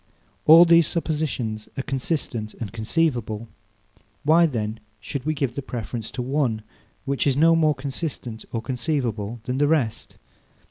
All these suppositions are consistent and conceivable. Why then should we give the preference to one, which is no more consistent or conceivable than the rest?